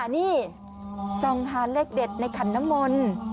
นี่ส่องหาเลขเด็ดในขันน้ำมนต์